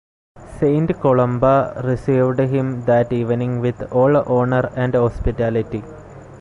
Saint Columba received him that evening with all honour and hospitality.